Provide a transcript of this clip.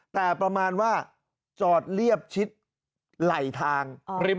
แต่ประมาณว่าจอดเรียบชิดไหลทาง